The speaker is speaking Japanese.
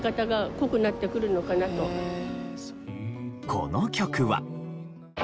この曲は。